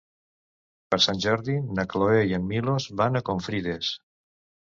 Per Sant Jordi na Cloè i en Milos van a Confrides.